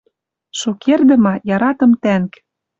Шукердӹ ма, яратым тӓнг